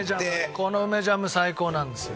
この梅ジャム最高なんですよ。